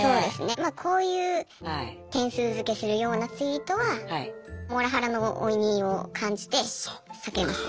まあこういう点数づけするようなツイートはモラハラのオイニーを感じて避けますね。